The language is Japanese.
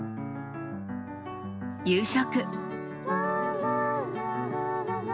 夕食。